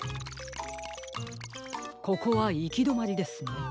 ここはいきどまりですね。